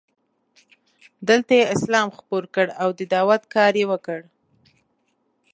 دلته یې اسلام خپور کړ او د دعوت کار یې وکړ.